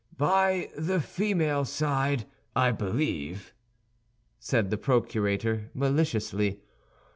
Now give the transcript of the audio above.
"By the female side, I believe?" said the procurator, maliciously.